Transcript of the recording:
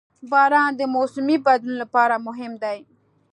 • باران د موسمي بدلون لپاره مهم دی.